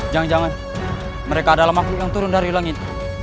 jangan jangan mereka adalah makhluk yang turun dari langit